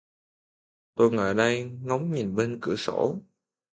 Tôi ngồi đây, ngóng nhìn bên cửa sổ